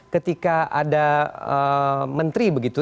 ketika ada menteri begitu